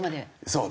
そう。